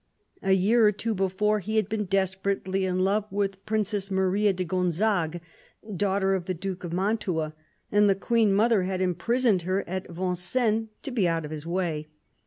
A year or two before he had been desperately in love with Princess Marie de Gonzague, daughter of the Duke of Mantua, and the Queen mother had imprisoned her at Vincennes to be out of his way.